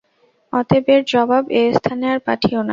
অতএব এর জবাব এস্থানে আর পাঠিও না।